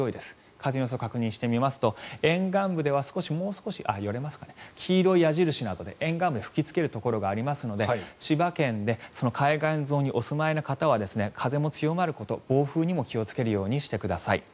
風の予想を確認しますと沿岸部では黄色い矢印などで沿岸部に吹きつけるところがありますので千葉県で海岸沿いにお住まいの方は風も強まること暴風にも気をつけるようにしてください。